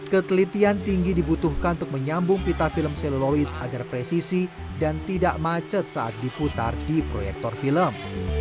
ketelitian tinggi dibutuhkan untuk menyambung pita film seluloid agar presisi dan tidak macet saat diputar di proyektor film